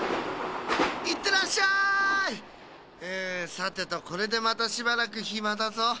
さてとこれでまたしばらくひまだぞ。